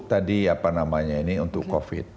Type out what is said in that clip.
tadi apa namanya ini untuk covid